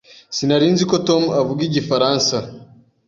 Sinari nzi ko Tom avuga igifaransa.